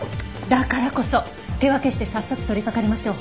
だからこそ手分けして早速取りかかりましょう。